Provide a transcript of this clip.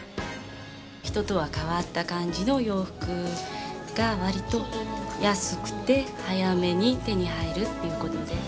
人とは変わった感じの洋服がわりと安くて早めに手に入るっていうことで。